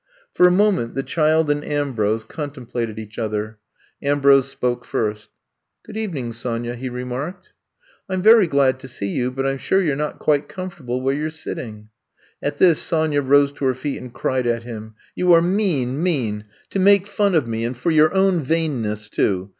For a moment the child and Ambrose contemplated each other. Ambrose spoke first. Good evening, Sonya/' he remarked. I'VE COMB TO STAY 47 I *m very glad to see you, but I 'm sure you *re not quite comfortable where you 're sitting/' At this Sonya rose to her feet and cried at him. "You are mean — ^mean! To make fun of me, and for your own vainness, too.